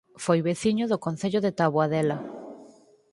Foi veciño do Concello de Taboadela